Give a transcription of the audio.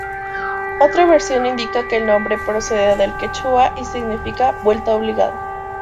Otra versión indica que el nombre procede del quechua y significa ""Vuelta obligada"".